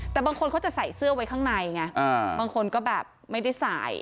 แต่บางคนเขาจะใส่เสื้อไว้ข้างในไงบางคนก็แบบไม่ได้ใส่